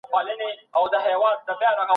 د پخوانیو پوهانو سیاسي نظریات ولولئ.